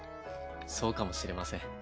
そうかもしれません。